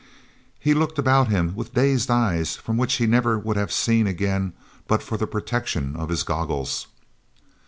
He looked about him with dazed eyes from which he never would have seen again, but for the protection of his goggles.